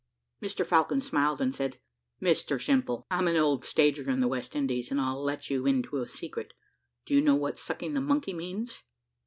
Mr Falcon smiled and said, "Mr Simple, I'm an old stager in the West Indies, and I'll let you into a secret. Do you know what `_sucking the monkey_' means?"